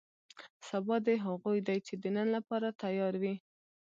سبا دې هغو دی چې د نن لپاره تیار وي.